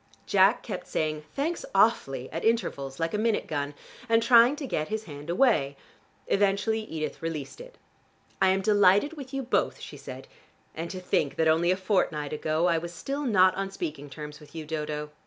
Jack kept saying "Thanks awfully" at intervals, like a minute gun, and trying to get his hand away. Eventually Edith released it. "I am delighted with you both," she said. "And to think that only a fortnight ago I was still not on speaking terms with you, Dodo.